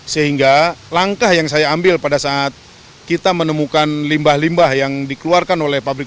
sehingga langkah yang saya ambil pada saat kita menemukan limbah limbah yang dikeluarkan oleh pabrik